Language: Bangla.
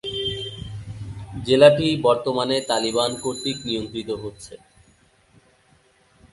জেলাটি বর্তমানে তালিবান কর্তৃক নিয়ন্ত্রিত হচ্ছে।